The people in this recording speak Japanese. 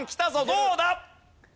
どうだ？